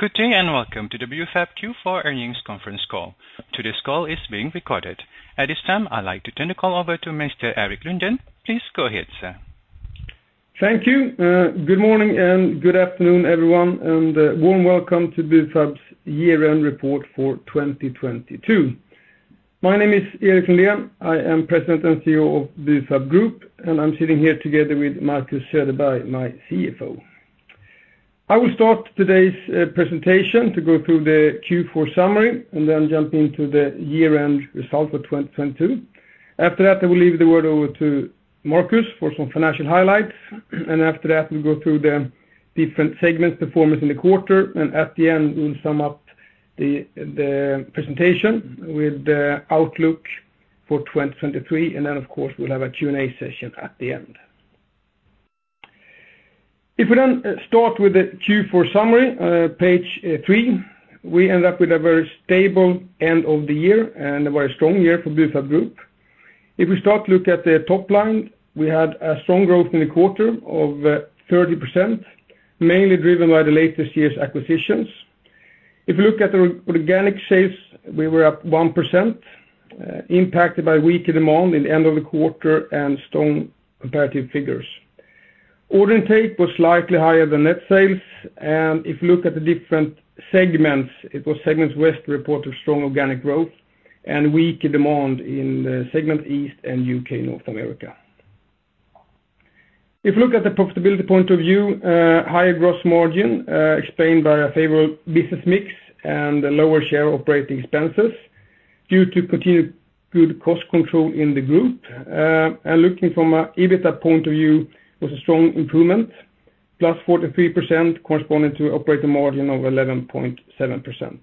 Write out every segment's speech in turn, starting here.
Good day and welcome to the Bufab Q4 earnings conference call. Today's call is being recorded. At this time, I'd like to turn the call over to Mr. Erik Lundén. Please go ahead, sir. Thank you. Good morning and good afternoon, everyone, Warm welcome to Bufab's year-end report for 2022. My name is Erik Lundén. I am President and CEO of Bufab Group, I'm sitting here together with Marcus Söderberg, my CFO. I will start today's presentation to go through the Q4 summary Then jump into the year-end results of 2022. After that, I will leave the word over to Marcus for some financial highlights, After that we'll go through the different segments performance in the quarter. At the end, we'll sum up the presentation with the outlook for 2023, Then of course we'll have a Q&A session at the end. If we then start with the Q4 summary, page 3, we end up with a very stable end of the year and a very strong year for Bufab Group. If we start to look at the top line, we had a strong growth in the quarter of 30%, mainly driven by the latest year's acquisitions. If you look at the organic sales, we were up 1%, impacted by weaker demand in the end of the quarter and strong comparative figures. Order intake was slightly higher than net sales. If you look at the different segments, it was Segment West reported strong organic growth and weaker demand in the Segment East and UK/North America. If you look at the profitability point of view, higher gross margin, explained by a favorable business mix and a lower share operating expenses due to continued good cost control in the group. Looking from a EBITDA point of view was a strong improvement, +43% corresponding to operating margin of 11.7%.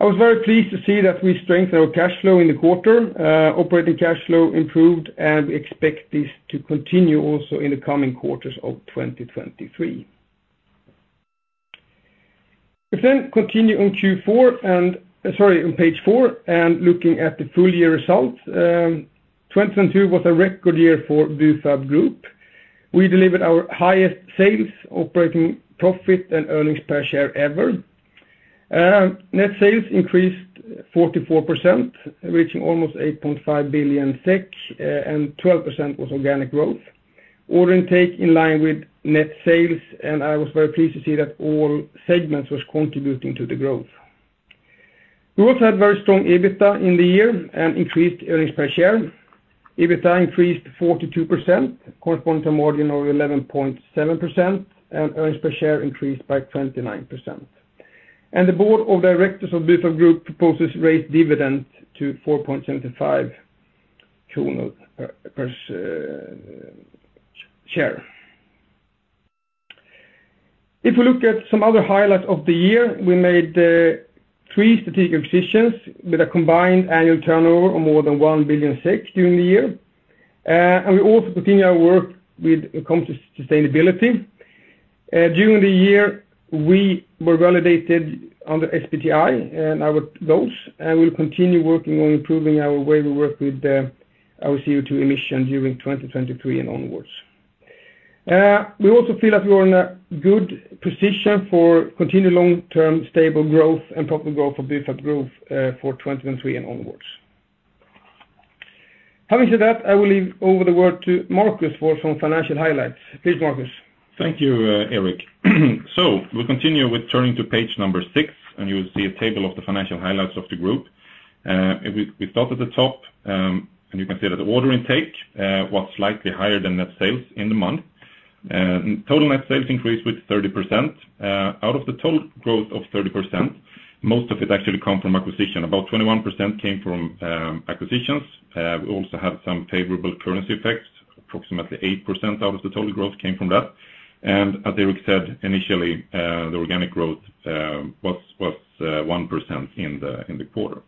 I was very pleased to see that we strengthened our cash flow in the quarter, operating cash flow improved, and we expect this to continue also in the coming quarters of 2023. If we then continue on Q4 on page four and looking at the full year results, 2022 was a record year for Bufab Group. We delivered our highest sales, operating profit and earnings per share ever. Net sales increased 44%, reaching almost 8.5 billion SEK, and 12% was organic growth. Order intake in line with net sales, and I was very pleased to see that all segments was contributing to the growth. We also had very strong EBITDA in the year and increased earnings per share. EBITDA increased 42%, corresponding to margin of 11.7%, earnings per share increased by 29%. The board of directors of Bufab Group proposes raise dividend to 4.75 kronor per share. If we look at some other highlights of the year, we made three strategic acquisitions with a combined annual turnover of more than 1 billion SEK during the year. We also continue our work with when it comes to sustainability. During the year, we were validated under SBTi and our goals, we'll continue working on improving our way we work with our CO2 emission during 2023 and onwards. We also feel that we are in a good position for continued long-term stable growth and profit growth for Bufab Group for 2023 and onwards. Having said that, I will leave over the word to Marcus for some financial highlights. Please, Marcus. Thank you, Erik. We continue with turning to page number six, and you'll see a table of the financial highlights of the Group. If we start at the top, and you can see that the order intake was slightly higher than net sales in the month. Total net sales increased with 30%. Out of the total growth of 30%, most of it actually come from acquisition. About 21% came from acquisitions. We also have some favorable currency effects. Approximately 8% out of the total growth came from that. As Erik said initially, the organic growth was 1% in the quarter.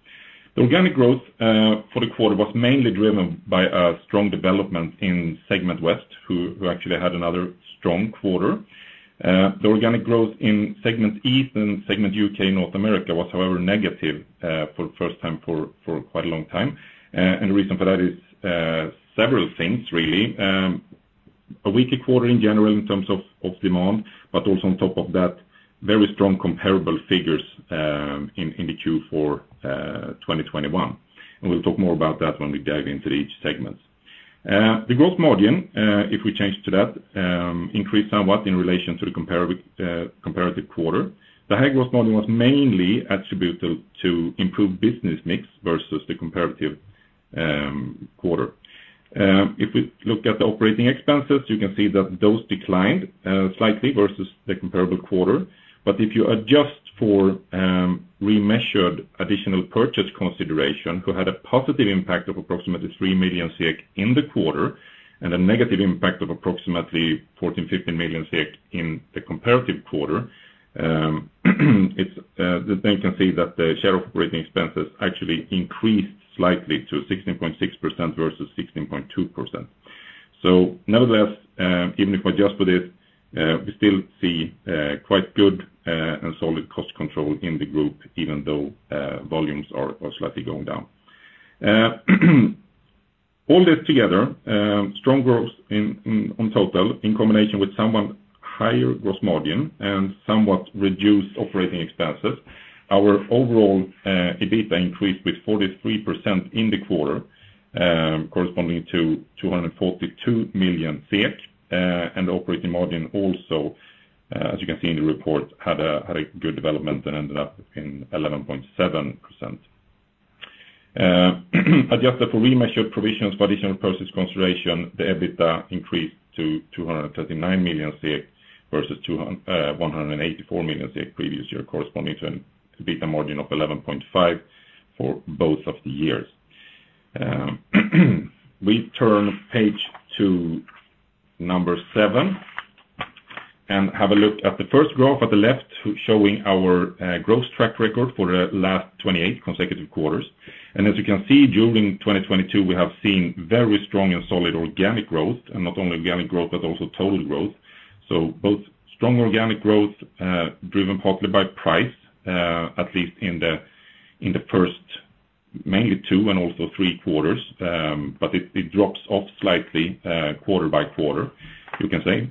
The organic growth for the quarter was mainly driven by a strong development in Segment West, who actually had another strong quarter. The organic growth in Segment East and Segment UK/North America was, however, negative, for the first time for quite a long time. The reason for that is several things really. A weaker quarter in general in terms of demand, but also on top of that, very strong comparable figures, in the Q4 2021. We'll talk more about that when we dive into each segment. The growth margin, if we change to that, increased somewhat in relation to the comparable, comparative quarter. The high growth margin was mainly attributable to improved business mix versus the comparative quarter. If we look at the operating expenses, you can see that those declined slightly versus the comparable quarter. If you adjust for remeasured additional purchase consideration, who had a positive impact of approximately 3 million SEK in the quarter and a negative impact of approximately 14-15 million SEK in the comparative quarter, then you can see that the share of operating expenses actually increased slightly to 16.6% versus 16.2%. Nevertheless, even if adjusted, we still see quite good and solid cost control in the group, even though volumes are slightly going down. All this together, strong growth on total in combination with somewhat higher gross margin and somewhat reduced operating expenses. Our overall EBITDA increased with 43% in the quarter, corresponding to 242 million SEK, and operating margin also, as you can see in the report, had a good development and ended up in 11.7%. Adjusted for remeasured additional purchase considerations, the EBITDA increased to 239 million SEK versus 184 million SEK previous year, corresponding to an EBITDA margin of 11.5% for both of the years. We turn page to number 7 and have a look at the first graph at the left showing our growth track record for the last 28 consecutive quarters. As you can see, during 2022, we have seen very strong and solid organic growth, and not only organic growth, but also total growth. Both strong organic growth, driven partly by price, at least in the, in the first mainly two and also three quarters, but it drops off slightly, quarter by quarter, you can say.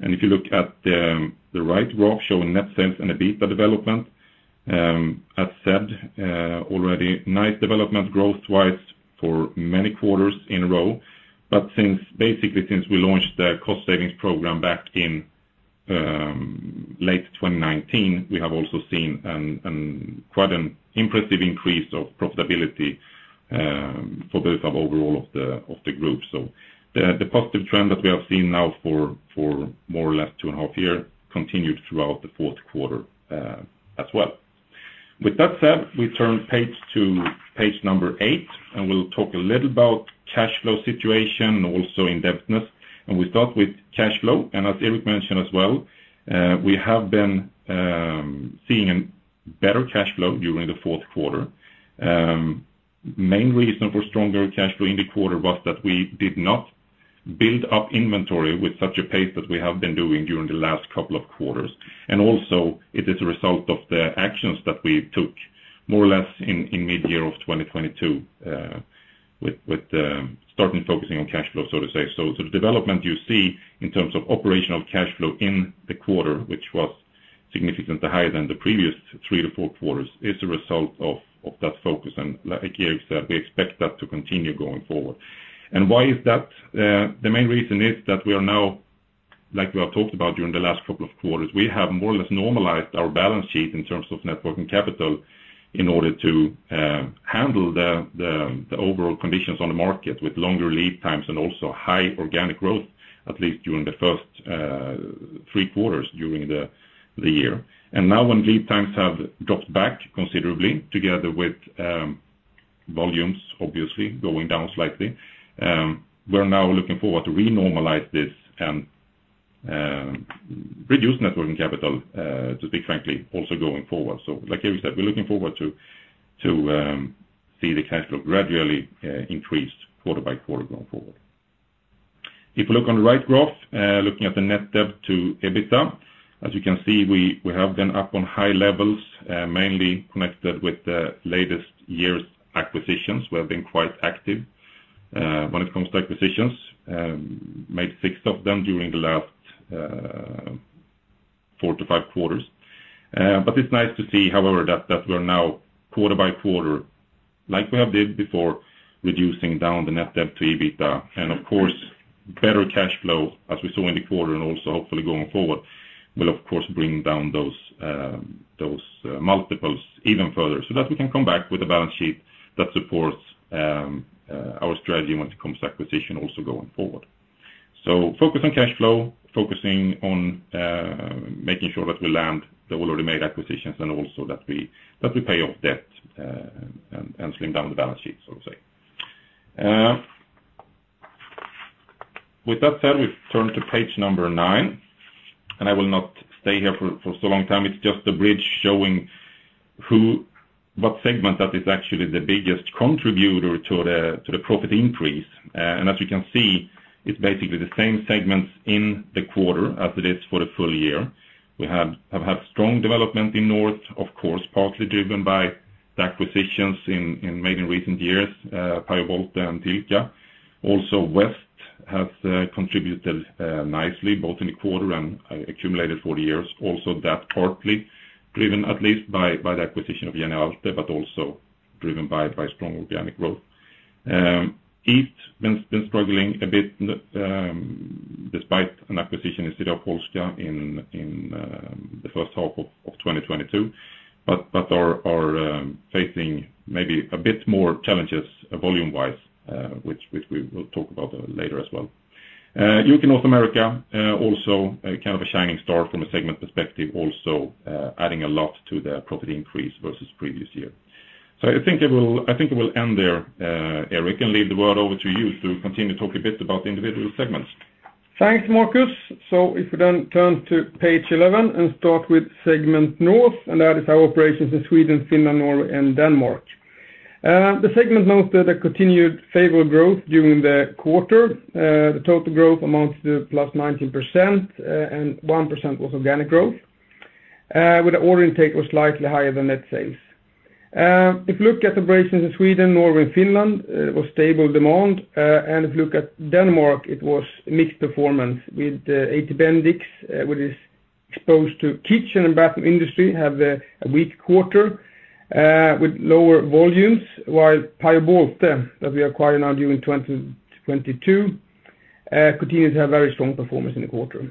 If you look at the right graph showing net sales and EBITDA development, as said, already, nice development growth-wise for many quarters in a row. Since, basically, since we launched the cost savings program back in, late 2019, we have also seen, quite an impressive increase of profitability, for both of overall of the group. The positive trend that we have seen now for more or less 2.5 continued throughout the fourth quarter, as well. With that said, we turn page to page 8. We'll talk a little about cash flow situation and also indebtedness. We start with cash flow. As Erik mentioned as well, we have been seeing better cash flow during the fourth quarter. Main reason for stronger cash flow in the quarter was that we did not build up inventory with such a pace that we have been doing during the last couple of quarters. Also it is a result of the actions that we took more or less in mid-year of 2022, with starting focusing on cash flow, so to say. The development you see in terms of operational cash flow in the quarter, which was significantly higher than the previous three to four quarters, is a result of that focus. Like Erik said, we expect that to continue going forward. Why is that? The main reason is that we are now, like we have talked about during the last couple of quarters, we have more or less normalized our balance sheet in terms of net working capital in order to handle the overall conditions on the market with longer lead times and also high organic growth, at least during the first three quarters during the year. Now when lead times have dropped back considerably together with volumes obviously going down slightly, we're now looking forward to renormalize this and reduce net working capital, to speak frankly, also going forward. Like Erik said, we're looking forward to see the cash flow gradually increase quarter by quarter going forward. If you look on the right graph, looking at the net debt to EBITDA, as you can see, we have been up on high levels, mainly connected with the latest year's acquisitions. We have been quite active when it comes to acquisitions. Made six of them during the last four to five quarters. It's nice to see, however, that we're now quarter by quarter, like we have did before, reducing down the net debt to EBITDA. Of course, better cash flow, as we saw in the quarter and also hopefully going forward, will of course bring down those multiples even further so that we can come back with a balance sheet that supports our strategy when it comes to acquisition also going forward. Focus on cash flow, focusing on making sure that we land the already made acquisitions and also that we pay off debt and slim down the balance sheet, so to say. With that said, we turn to page number 9, and I will not stay here for so long time. It's just a bridge showing what segment that is actually the biggest contributor to the profit increase. As you can see, it's basically the same segments in the quarter as it is for the full year. We have had strong development in North, of course, partly driven by the acquisitions made in recent years, Pajo-Bolte and Tilka. Also, West has contributed nicely both in the quarter and accumulated 40 years. That partly driven at least by the acquisition of Jenny Waltle, but also driven by strong organic growth. East been struggling a bit despite an acquisition in CDA Polska in the first half of 2022, but are facing maybe a bit more challenges volume-wise, which we will talk about later as well. UK/North America also a kind of a shining star from a segment perspective, also adding a lot to the property increase versus previous year. I think I will end there, Erik, and leave the word over to you to continue to talk a bit about the individual segments. Thanks, Marcus. If we then turn to page 11 and start with Segment North, that is our operations in Sweden, Finland, Norway, and Denmark. The segment noted a continued favorable growth during the quarter. The total growth amounts to plus 19%, 1% was organic growth. With the order intake was slightly higher than net sales. If you look at operations in Sweden, Norway and Finland, it was stable demand. If you look at Denmark, it was a mixed performance with HT Bendix, which is exposed to kitchen and bathroom industry, have a weak quarter with lower volumes, while Pajo-Bolte, that we acquired now during 2022, continues to have very strong performance in the quarter.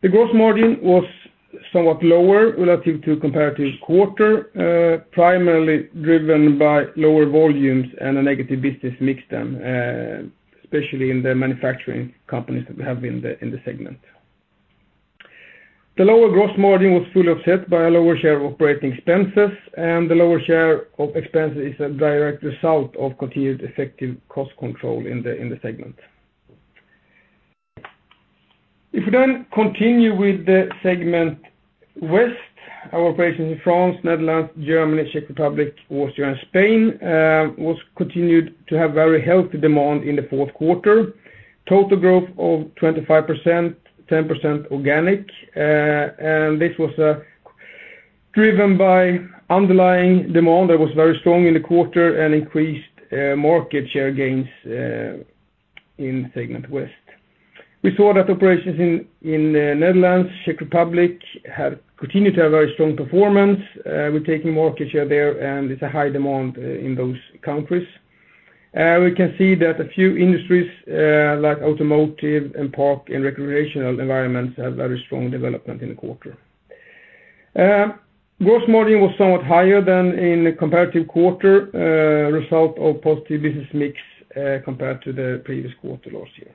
The gross margin was somewhat lower relative to comparative quarter, primarily driven by lower volumes and a negative business mix, especially in the manufacturing companies that we have in the Segment. The lower gross margin was fully offset by a lower share of operating expenses, the lower share of expenses is a direct result of continued effective cost control in the Segment. If we then continue with the Segment West, our operations in France, Netherlands, Germany, Czech Republic, Austria and Spain, was continued to have very healthy demand in the fourth quarter. Total growth of 25%, 10% organic, this was driven by underlying demand that was very strong in the quarter and increased market share gains in Segment West. We saw that operations in Netherlands, Czech Republic have continued to have very strong performance, with taking market share there and it's a high demand in those countries. We can see that a few industries, like automotive and park and recreational environments have very strong development in the quarter. Gross margin was somewhat higher than in the comparative quarter, result of positive business mix, compared to the previous quarter last year.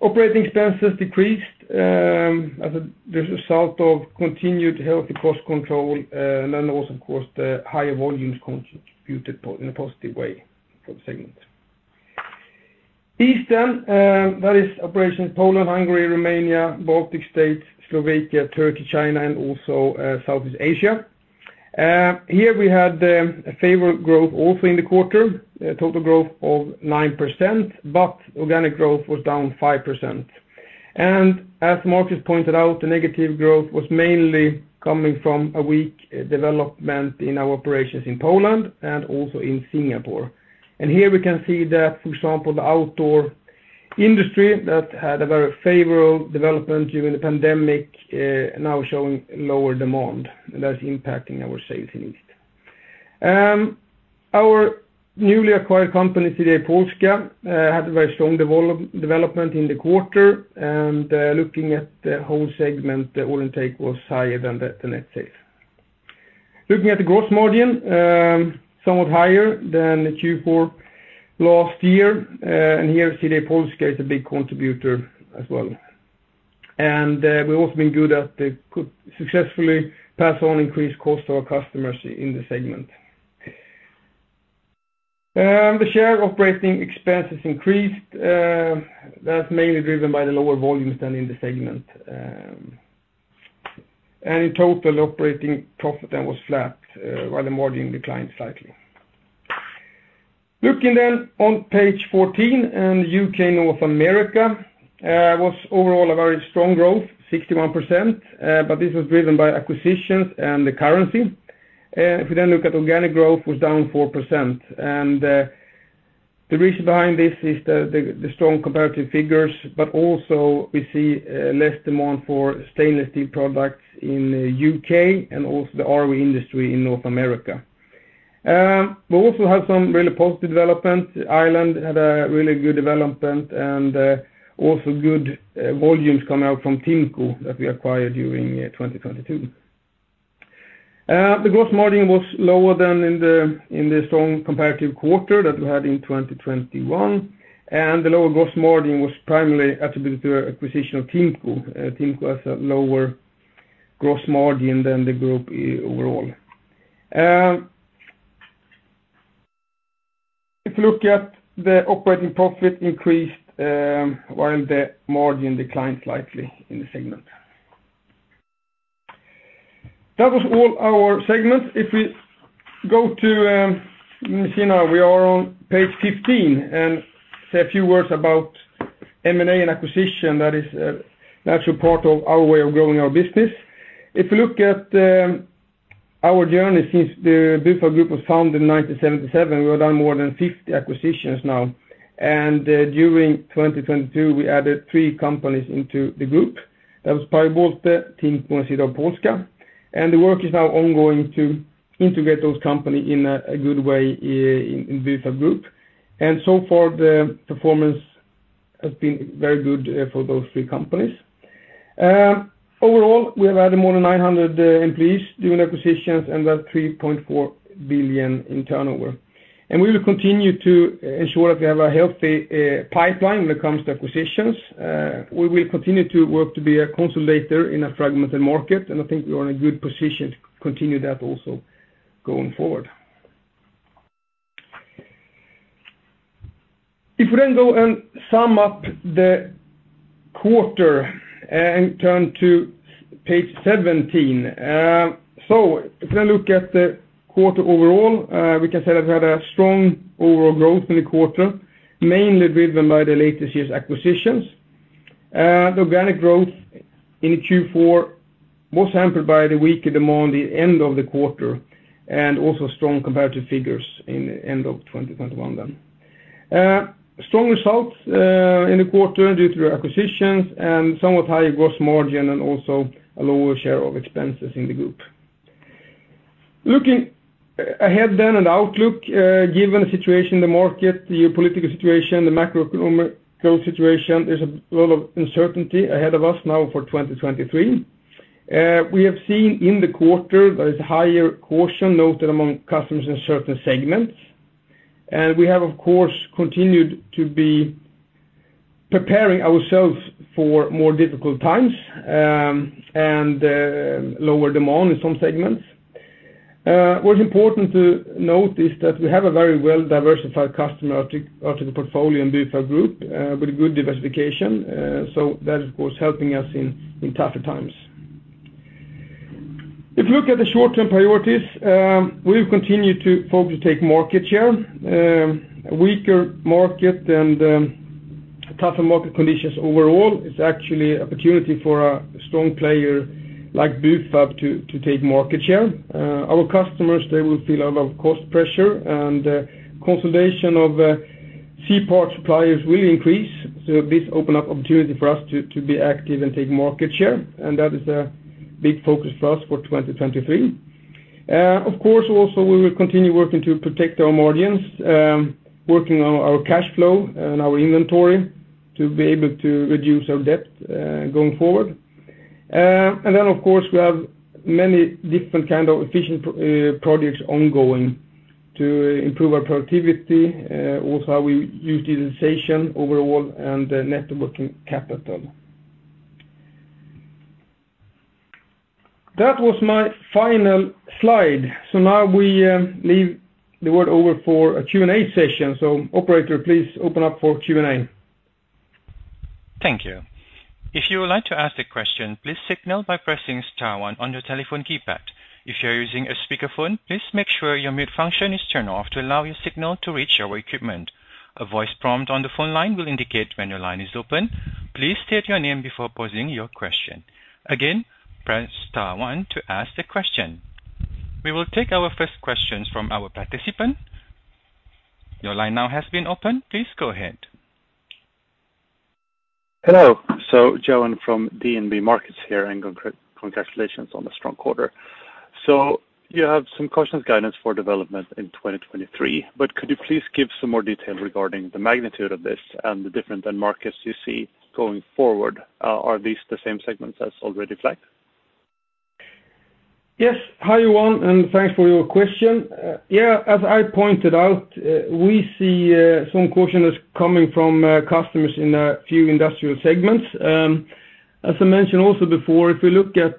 Operating expenses decreased as a result of continued healthy cost control, and then also, of course, the higher volumes contributed in a positive way for the Segment East, that is operations Poland, Hungary, Romania, Baltic States, Slovakia, Turkey, China, and also Southeast Asia. Here we had a favorable growth also in the quarter, a total growth of 9%, but organic growth was down 5%. As Marcus pointed out, the negative growth was mainly coming from a weak development in our operations in Poland and also in Singapore. Here we can see that, for example, the outdoor industry that had a very favorable development during the pandemic, now showing lower demand that's impacting our sales in East. Our newly acquired company, CDA Polska, had a very strong development in the quarter. Looking at the whole segment, the order intake was higher than the net sales. Looking at the gross margin, somewhat higher than the Q4 last year. Here, CDA Polska is a big contributor as well. We've also been good at successfully pass on increased cost to our customers in the segment. The share of operating expenses increased, that's mainly driven by the lower volumes than in the segment. In total, operating profit then was flat, while the margin declined slightly. Looking on page 14, UK/North America was overall a very strong growth, 61%, this was driven by acquisitions and the currency. If we then look at organic growth was down 4%. The reason behind this is the strong comparative figures, also we see less demand for stainless steel products in U.K. and also the RV industry in North America. We also have some really positive development. Ireland had a really good development, also good volumes coming out from TIMCO that we acquired during 2022. The gross margin was lower than in the strong comparative quarter that we had in 2021. The lower gross margin was primarily attributed to acquisition of TIMCO. TIMCO has a lower gross margin than the group overall. If you look at the operating profit increased, while the margin declined slightly in the segment. That was all our segments. If we go to, let me see now, we are on page 15, and say a few words about M&A and acquisition, that is a natural part of our way of growing our business. If you look at our journey since the Bufab Group was founded in 1977, we have done more than 50 acquisitions now. During 2022, we added three companies into the group. That was Pajo-Bolte, TIMCO, and CDA Polska. The work is now ongoing to integrate those company in a good way in Bufab Group. So far, the performance has been very good for those three companies. Overall, we have added more than 900 employees during acquisitions and about 3.4 billion in turnover. We will continue to ensure that we have a healthy pipeline when it comes to acquisitions. We will continue to work to be a consolidator in a fragmented market. I think we are in a good position to continue that also going forward if we go and sum up the quarter. Turn to page 17. If you then look at the quarter overall, we can say that we had a strong overall growth in the quarter. Mainly driven by the latest year's acquisitions. The organic growth in Q4 was hampered by the weaker demand, the end of the quarter, also strong comparative figures in end of 2021 then. Strong results in the quarter due to acquisitions and somewhat higher gross margin and also a lower share of expenses in the group. Looking ahead then and outlook, given the situation in the market, the political situation, the macroeconomic growth situation, there's a lot of uncertainty ahead of us now for 2023. We have seen in the quarter there is higher caution noted among customers in certain segments. We have, of course, continued to be preparing ourselves for more difficult times, and lower demand in some segments. What's important to note is that we have a very well-diversified customer article portfolio in Bufab Group, with good diversification. That, of course, helping us in tougher times. If you look at the short-term priorities, we've continued to focus to take market share. A weaker market and tougher market conditions overall is actually opportunity for a strong player like Bufab to take market share. Our customers, they will feel a lot of cost pressure and consolidation of C-part suppliers will increase. This open up opportunity for us to be active and take market share, and that is a big focus for us for 2023. Of course, also we will continue working to protect our margins, working on our cash flow and our inventory to be able to reduce our debt going forward. Of course, we have many different kind of efficient projects ongoing to improve our productivity, also our utilization overall and the net working capital. That was my final slide. Now we leave the word over for a Q&A session. Operator, please open up for Q&A. Thank you. If you would like to ask a question, please signal by pressing star one on your telephone keypad. If you're using a speakerphone, please make sure your mute function is turned off to allow your signal to reach our equipment. A voice prompt on the phone line will indicate when your line is open. Please state your name before posing your question. Again, press star one to ask a question. We will take our first questions from our participant. Your line now has been opened. Please go ahead. Hello. Johan from DNB Markets here, and congratulations on the strong quarter. You have some cautious guidance for development in 2023, but could you please give some more detail regarding the magnitude of this and the different end markets you see going forward? Are these the same segments as already flagged? Yes. Hi, Johan, thanks for your question. Yeah, as I pointed out, we see some caution that's coming from customers in a few industrial segments. As I mentioned also before, if you look at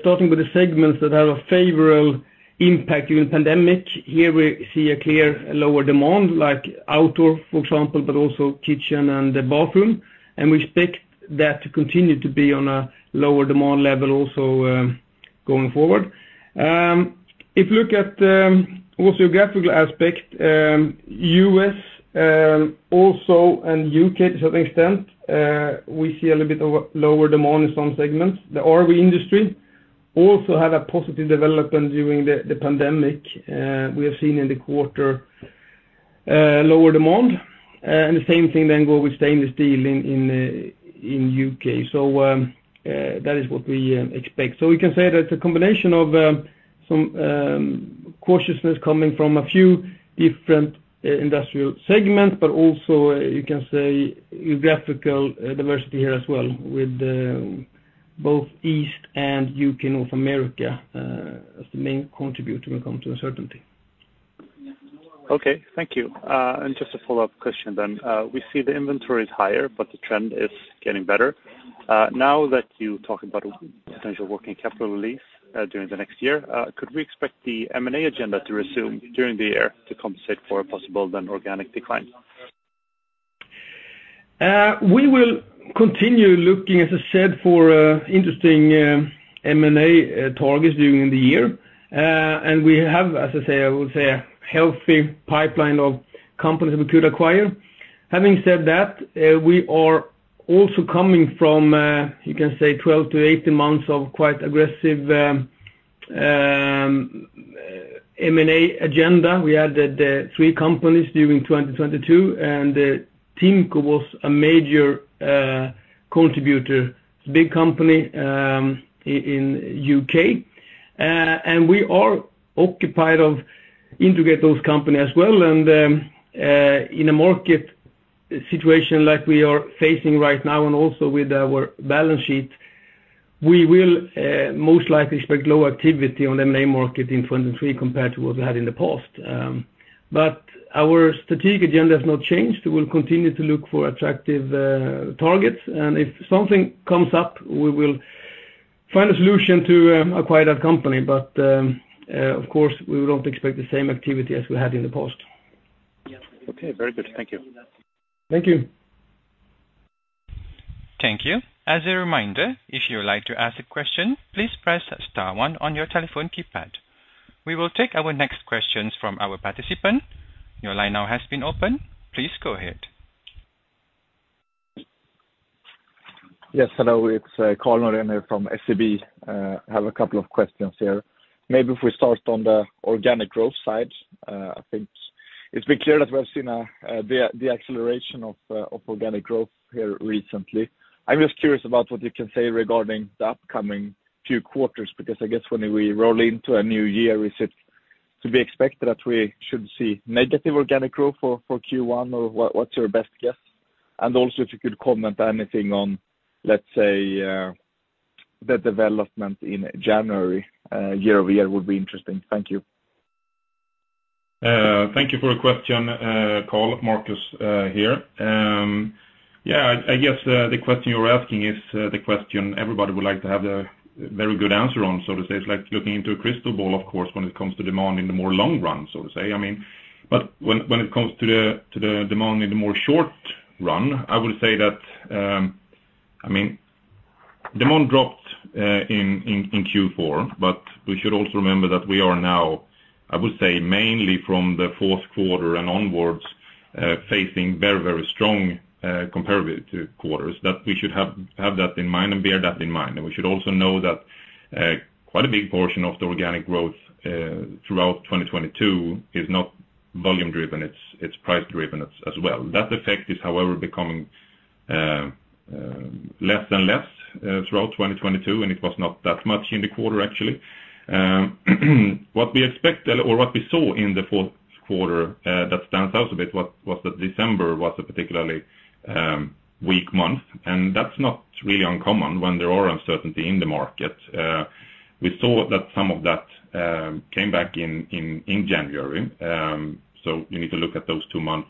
starting with the segments that have a favorable impact during pandemic, here we see a clear lower demand like outdoor, for example, but also kitchen and the bathroom. We expect that to continue to be on a lower demand level also going forward. If you look at also geographical aspect, U.S., also and U.K. to some extent, we see a little bit of a lower demand in some segments. The RV industry also had a positive development during the pandemic. We have seen in the quarter, lower demand, and the same thing then go with stainless steel in U.K.. That is what we expect. We can say that the combination of some cautiousness coming from a few different industrial segments, but also you can say geographical diversity here as well with both East and U.K., North America as the main contributor when it comes to uncertainty. Okay. Thank you. Just a follow-up question then. We see the inventory is higher, but the trend is getting better. Now that you talk about potential working capital release during the next year, could we expect the M&A agenda to resume during the year to compensate for a possible then organic decline? We will continue looking, as I said, for interesting M&A targets during the year. We have, as I say, I would say a healthy pipeline of companies we could acquire. Having said that, we are also coming from a, you can say 12-18 months of quite aggressive M&A agenda. We added three companies during 2022, TIMCO was a major contributor, it's a big company in U.K. We are occupied of integrate those company as well. In a market situation like we are facing right now and also with our balance sheet, we will most likely expect low activity on M&A market in 2023 compared to what we had in the past. Our strategic agenda has not changed. We'll continue to look for attractive targets. If something comes up, we will find a solution to acquire that company. Of course, we don't expect the same activity as we had in the past. Okay. Very good. Thank you. Thank you. Thank you. As a reminder, if you would like to ask a question, please press star one on your telephone keypad. We will take our next questions from our participant. Your line now has been opened. Please go ahead. Yes, hello. It's Karl Norén from SEB. Have a couple of questions here. Maybe if we start on the organic growth side. I think it's been clear that we've seen the acceleration of organic growth here recently. I'm just curious about what you can say regarding the upcoming two quarters, because I guess when we roll into a new year, is it to be expected that we should see negative organic growth for Q1 or what's your best guess? Also if you could comment anything on, let's say, the development in January year-over-year would be interesting. Thank you. Thank you for your question, Karl. Marcus here. Yeah, I guess the question you're asking is the question everybody would like to have a very good answer on, so to say. It's like looking into a crystal ball, of course, when it comes to demand in the more long run, so to say. When it comes to the demand in the more short run, I will say that, I mean, demand dropped in Q4, we should also remember that we are now, I would say, mainly from the fourth quarter and onwards, facing very, very strong comparative quarters, that we should have that in mind and bear that in mind. We should also know that, quite a big portion of the organic growth, throughout 2022 is not volume-driven, it's price driven as well. That effect is, however, becoming, less and less, throughout 2022, and it was not that much in the quarter, actually. What we expect or what we saw in the fourth quarter, that stands out a bit was that December was a particularly, weak month, and that's not really uncommon when there are uncertainty in the market. We saw that some of that, came back in January. You need to look at those two months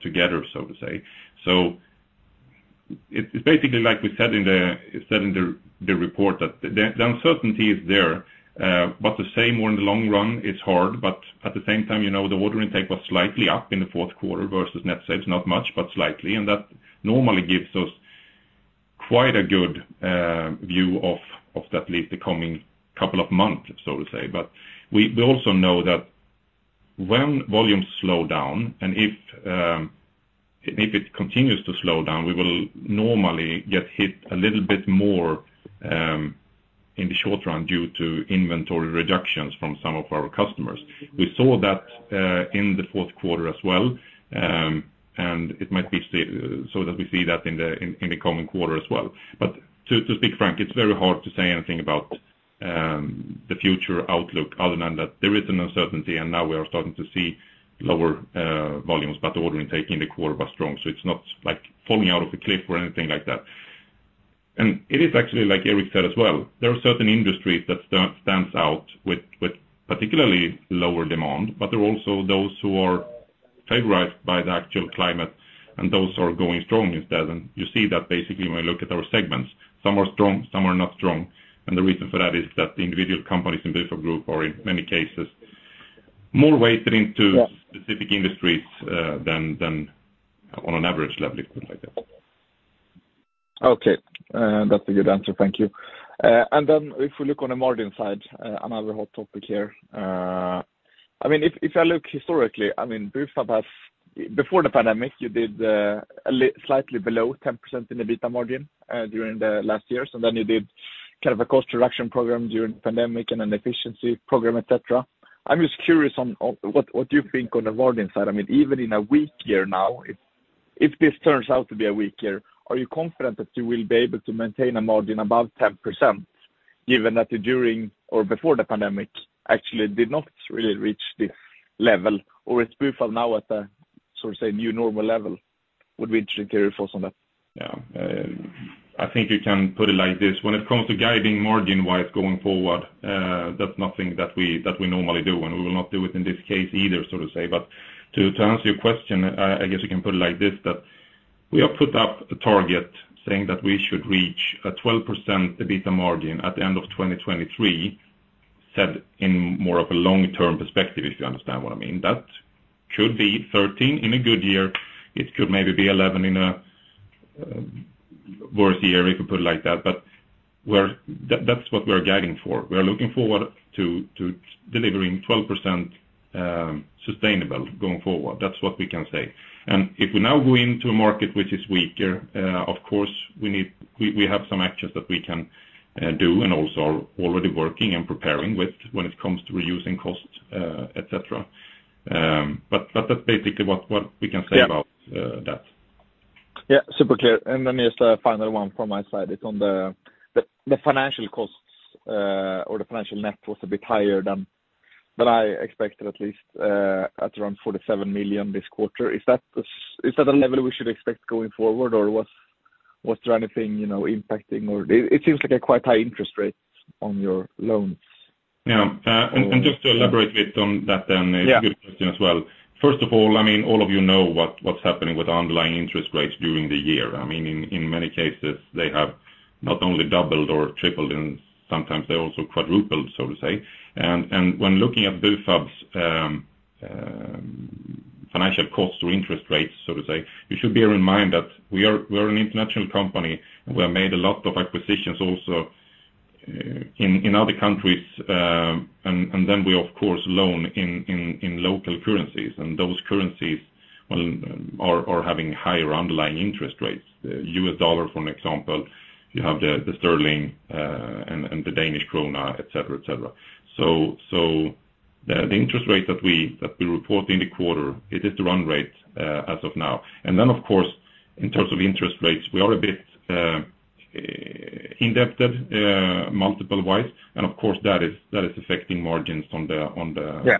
together, so to say. It's basically like we said in the report that the uncertainty is there, but to say where in the long run is hard. At the same time, you know, the order intake was slightly up in the fourth quarter versus net sales, not much, but slightly. That normally gives us quite a good view of at least the coming couple of months, so to say. We also know that when volumes slow down and if it continues to slow down, we will normally get hit a little bit more in the short run due to inventory reductions from some of our customers. We saw that in the fourth quarter as well, and it might be so that we see that in the coming quarter as well. To speak frank, it's very hard to say anything about the future outlook other than that there is an uncertainty and now we are starting to see lower volumes. The order intake in the quarter was strong, so it's not like falling out of a cliff or anything like that. It is actually like Erik said as well, there are certain industries that stands out with particularly lower demand, but there are also those who are favored by the actual climate and those are going strong instead. You see that basically when we look at our segments, some are strong, some are not strong. The reason for that is that the individual companies in Bufab Group are in many cases more weighted into- Yeah. -specific industries, than on an average level, if you put it like that. Okay. That's a good answer. Thank you. If we look on the margin side, another hot topic here, I mean, if I look historically, I mean, Bufab before the pandemic, you did slightly below 10% in EBITDA margin during the last years, and then you did kind of a cost reduction program during the pandemic and an efficiency program, et cetera. I'm just curious on what you think on the margin side. I mean, even in a weak year now, if this turns out to be a weak year, are you confident that you will be able to maintain a margin above 10% given that during or before the pandemic actually did not really reach this level? Or is Bufab now at a, so to say, new normal level? Would be interested to hear your thoughts on that. I think you can put it like this. When it comes to guiding margin-wise going forward, that's nothing that we normally do, and we will not do it in this case either, so to say. To answer your question, I guess you can put it like this, that we have put up a target saying that we should reach a 12% EBITDA margin at the end of 2023, set in more of a long-term perspective, if you understand what I mean. That should be 13 in a good year. It could maybe be 11 in a worse year, if you put it like that. That's what we are guiding for. We are looking forward to delivering 12% sustainable going forward. That's what we can say. If we now go into a market which is weaker, of course we have some actions that we can do and also are already working and preparing with when it comes to reducing costs, et cetera. That's basically what we can say- Yeah. -about, that. Yeah, super clear. Just a final one from my side. It's on the financial costs or the financial net was a bit higher than I expected at least, at around 47 million this quarter. Is that a level we should expect going forward or was there anything, you know, impacting or it seems like a quite high interest rate on your loans. Yeah. Just to elaborate a bit on that then. Yeah. It's a good question as well. First of all, I mean, all of you know what's happening with underlying interest rates during the year. I mean, in many cases, they have not only doubled or tripled, and sometimes they're also quadrupled, so to say. When looking at Bufab's Financial costs or interest rates, so to say. You should bear in mind that we are an international company, and we have made a lot of acquisitions also in other countries. Then we, of course, loan in local currencies, and those currencies, well, are having higher underlying interest rates. US dollar, for example, you have the sterling, and the Danish krona, et cetera, et cetera. The interest rate that we report in the quarter, it is the run rate as of now. Of course, in terms of interest rates, we are a bit indebted multiple-wise. Of course, that is affecting margins on the- Yeah....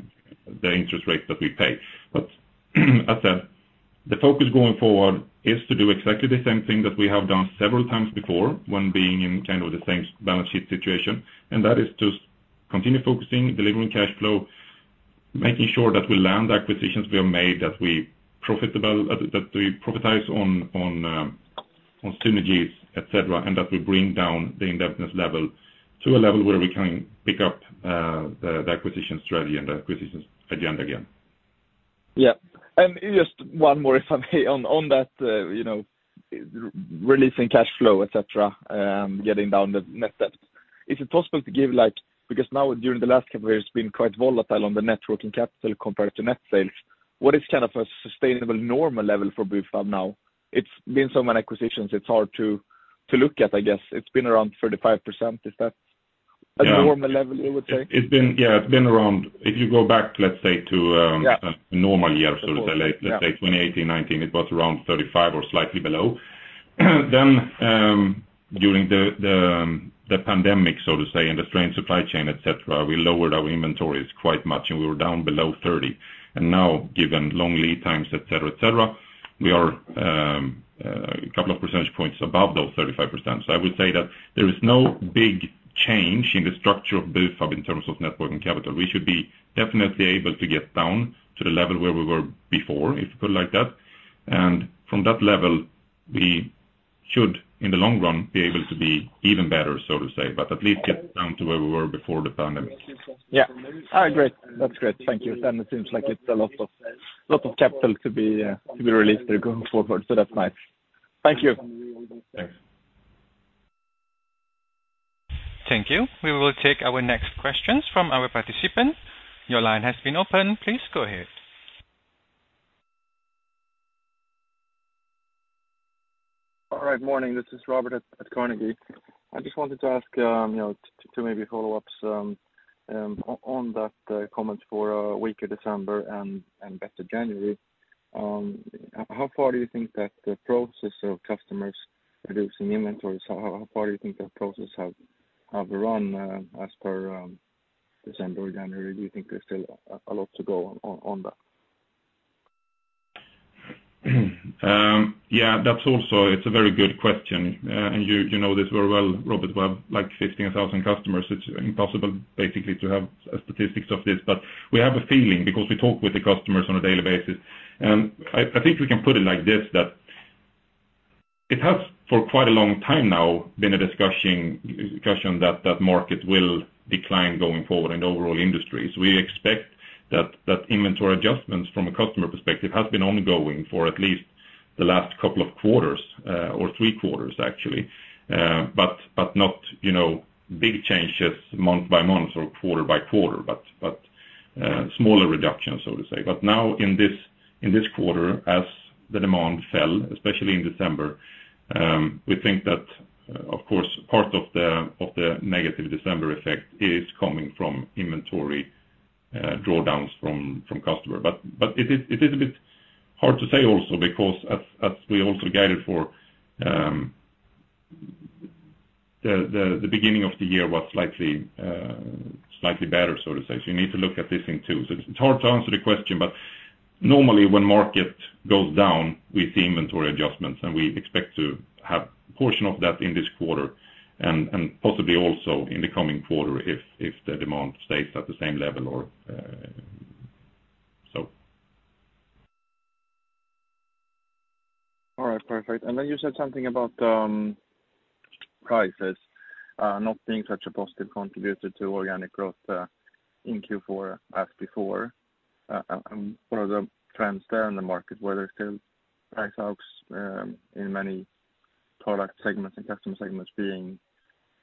the interest rate that we pay. The focus going forward is to do exactly the same thing that we have done several times before, one being in kind of the same balance sheet situation. That is to continue focusing, delivering cash flow, making sure that we land acquisitions we have made, that we profitable, that we profitize on synergies, et cetera, and that we bring down the indebtedness level to a level where we can pick up the acquisition strategy and the acquisitions agenda again. Yeah. Just one more if I may on that, you know, releasing cash flow, et cetera, getting down the net debt. Is it possible to give, like? Now during the last couple of years, it's been quite volatile on the net working capital compared to net sales. What is kind of a sustainable normal level for Bufab now? It's been so many acquisitions, it's hard to look at, I guess. It's been around 35%. Is that? Yeah. A normal level, you would say? It's been, yeah, it's been around... If you go back, let's say, to, Yeah. A normal year so to say. Of course. Yeah.... let's say 2018, 2019, it was around 35 or slightly below. During the, the pandemic, so to say, and the strained supply chain, et cetera, we lowered our inventories quite much, and we were down below 30. Now, given long lead times, et cetera, et cetera, we are a couple of percentage points above those 35%. I would say that there is no big change in the structure of Bufab in terms of net working capital. We should be definitely able to get down to the level where we were before, if you put it like that. From that level, we should, in the long run, be able to be even better, so to say. At least get down to where we were before the pandemic. Yeah. Great. That's great. Thank you. It seems like it's a lot of, lot of capital to be released there going forward, so that's nice. Thank you. Thanks. Thank you. We will take our next questions from our participant. Your line has been opened. Please go ahead. All right. Morning. This is Robert at Carnegie. I just wanted to ask, you know, two maybe follow-ups on that comment for a weaker December and better January. How far do you think that the process of customers reducing inventories, how far do you think that process have run, as per December or January? Do you think there's still a lot to go on that? Yeah, that's also, it's a very good question. You know this very well, Robert. We have, like, 15,000 customers. It's impossible basically to have statistics of this. We have a feeling because we talk with the customers on a daily basis. I think we can put it like this, that it has, for quite a long time now, been a discussion that that market will decline going forward in the overall industry. We expect that inventory adjustments from a customer perspective has been ongoing for at least the last couple of quarters, or three quarters, actually. Not, you know, big changes month by month or quarter by quarter, but smaller reductions, so to say. Now in this quarter, as the demand fell, especially in December, we think that of course, part of the negative December effect is coming from inventory drawdowns from customer. It is a bit hard to say also because as we also guided for, the beginning of the year was slightly better, so to say. You need to look at this thing too. It's hard to answer the question, but normally when market goes down, we see inventory adjustments, and we expect to have portion of that in this quarter and possibly also in the coming quarter if the demand stays at the same level or so. All right, perfect. Then you said something about prices not being such a positive contributor to organic growth in Q4 as before. What are the trends there in the market? Were there still price hikes in many product segments and customer segments being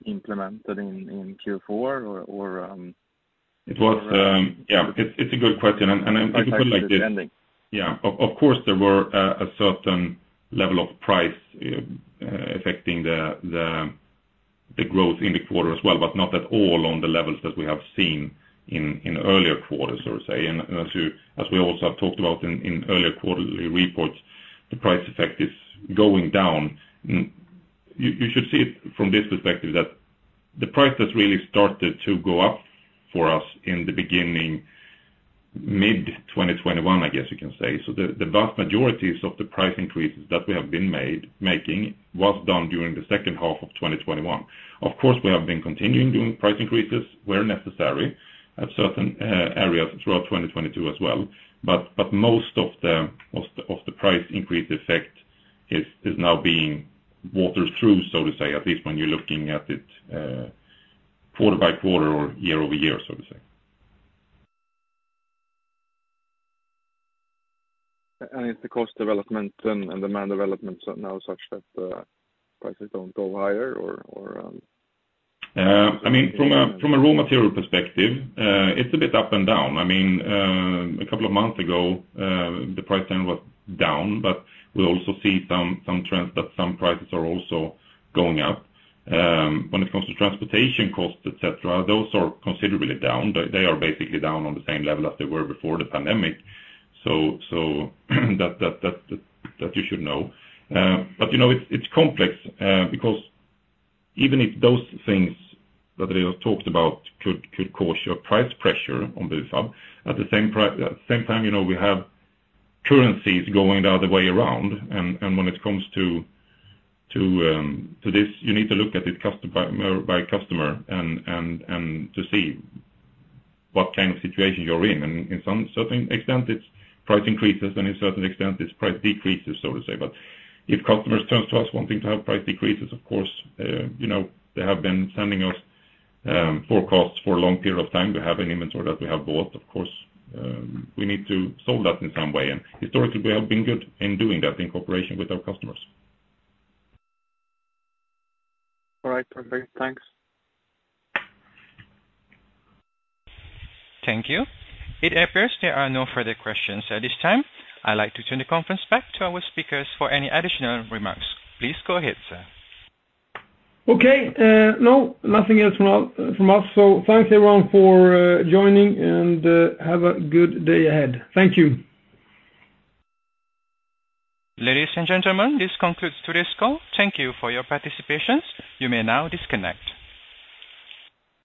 implemented in Q4 or- It was, yeah. It's a good question. I can put it like this. ending. Yeah. Of course, there were a certain level of price affecting the growth in the quarter as well, but not at all on the levels that we have seen in earlier quarters, so to say. As we also have talked about in earlier quarterly reports, the price effect is going down. You should see it from this perspective, that the price has really started to go up for us in the beginning, mid-2021, I guess you can say. The vast majorities of the price increases that we have been making was done during the second half of 2021. Of course, we have been continuing doing price increases where necessary at certain areas throughout 2022 as well. Most of the price increase effect is now being watered through, so to say, at least when you're looking at it, quarter-by-quarter or year-over-year, so to say. Is the cost development and demand development now such that prices don't go higher or? From a raw material perspective, it's a bit up and down. A couple of months ago, the price then was down, but we also see some trends that some prices are also going up. When it comes to transportation costs, et cetera, those are considerably down. They are basically down on the same level as they were before the pandemic. That you should know. You know, it's complex because even if those things that I just talked about could cause your price pressure on Bufab, at the same time, you know, we have currencies going the other way around. When it comes to this, you need to look at it by customer and to see what kind of situation you're in. In some certain extent, it's price increases, and in certain extent, it's price decreases, so to say. If customers turn to us wanting to have price decreases, of course, you know, they have been sending us forecasts for a long period of time. We have an inventory that we have bought. Of course, we need to solve that in some way. Historically, we have been good in doing that in cooperation with our customers. All right. Okay. Thanks. Thank you. It appears there are no further questions at this time. I'd like to turn the conference back to our speakers for any additional remarks. Please go ahead, sir. Okay. no, nothing else from us. Thanks everyone for, joining and, have a good day ahead. Thank you. Ladies and gentlemen, this concludes today's call. Thank you for your participation. You may now disconnect.